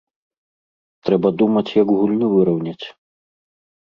Трэба думаць, як гульню выраўняць.